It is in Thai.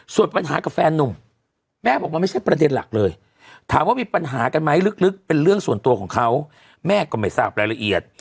ส่วนปัญหากับแฟนนุ่มแม่บอกว่าไม่ใช่ประเด็นหลักเลยถามว่ามีปัญหากันไหมลึกเป็นเรื่องส่วนตัวของเขาแม่ก็ไม่ทราบรายละเอียด